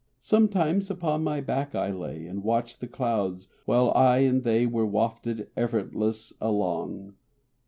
Sometimes upon my back I lay And watched the clouds, while I and they Were wafted effortless along.